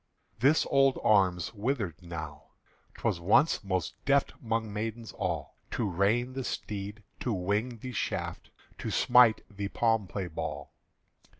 This old arm's withered now. 'T was once Most deft 'mong maidens all To rein the steed, to wing the shaft, To smite the palm play ball.